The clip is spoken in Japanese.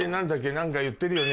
何か言ってるよね